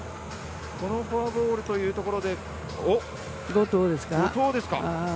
このフォアボールというところで後藤ですか。